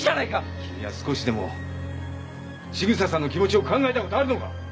君は少しでも千草さんの気持ちを考えたことあるのか？